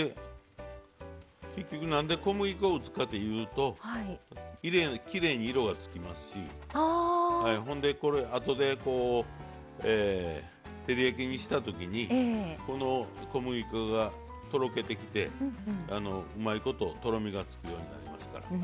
結局何で小麦粉を打つかというときれいに色がつきますしあとで照り焼きにした時にこの小麦粉がとろけてきてうまいこととろみがつくようになりますから。